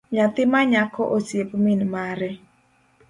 Nyathi manyako osiep min mare